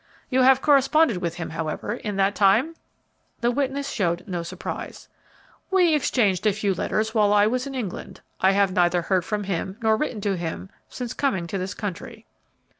"You have corresponded with, him, however, in that time?" The witness showed no surprise. "We exchanged a few letters while I was in England. I have neither heard from him nor written to him since coming to this country."